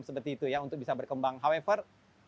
seperti itu ya untuk bisa berkembang hawever